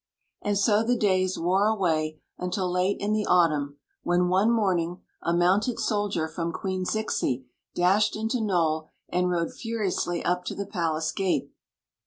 And so the days wore away until late in the au tumn, when, one morning, a mounted soldier from Queen Zixi dashed into Nole and rode furiously up to the palace gate.